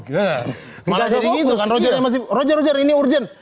malah jadi gitu kan rojer rojer ini urgent